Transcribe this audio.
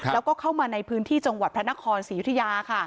แล้วก็เข้ามาในพื้นที่จังหวัดพระนครศรียุธยาค่ะ